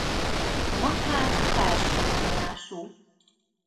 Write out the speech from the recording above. A magház felső állású.